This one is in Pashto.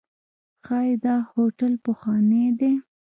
ښایي دا هوټل پخوانی دی.